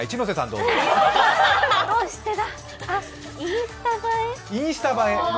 どうしてだインスタ映え？